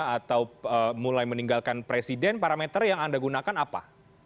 atau mulai meninggalkan presiden parameter yang anda gunakan apa